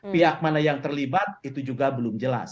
pihak mana yang terlibat itu juga belum jelas